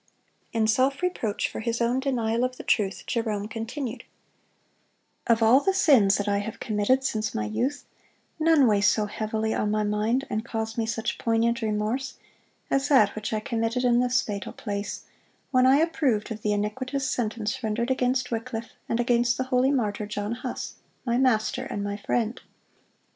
(149) In self reproach for his own denial of the truth, Jerome continued: "Of all the sins that I have committed since my youth, none weigh so heavily on my mind, and cause me such poignant remorse, as that which I committed in this fatal place, when I approved of the iniquitous sentence rendered against Wycliffe, and against the holy martyr, John Huss, my master and my friend.